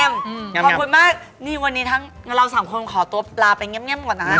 ขอบคุณมากนี่วันนี้ทั้งเราสามคนขอตัวลาไปเงียบก่อนนะ